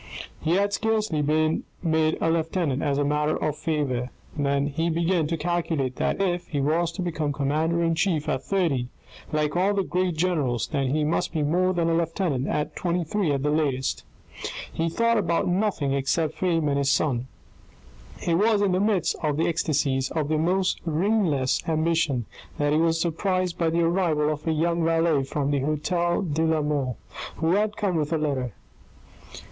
He had scarcely been made a lieutenant as a matter of favour (and that only two days ago) than he began to calculate that if he was to become commander in chief at thirty, like all the great generals, then he must be more than a lieutenant at twenty three at the latest. He thought about nothing except fame and his son. It was in the midst of the ecstasies of the most reinless ambition that he was surprised by the arrival of a young valet from the hotel de la Mole, who had come with a letter.